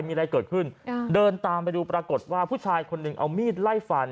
มีอะไรเกิดขึ้นเดินตามไปดูปรากฏว่าผู้ชายคนหนึ่งเอามีดไล่ฟัน